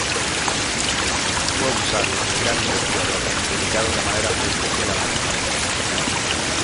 Fue un sabio, gran investigador, dedicado de manera muy especial a la naturaleza.